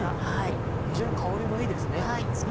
非常に香りもいいですね。